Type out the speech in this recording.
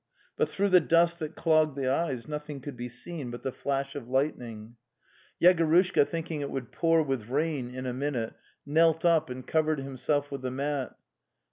But through the dust that clogged the eyes nothing could be seen but the flash of lightning. Yegorushka, thinking it would pour with rain in a minute, knelt up and covered himself with the mat.